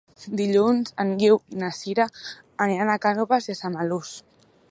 Dilluns en Guiu i na Sira aniran a Cànoves i Samalús.